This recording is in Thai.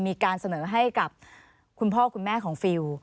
มีการเสนอให้กับคุณพ่อคุณแม่ของฟิล